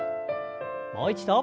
もう一度。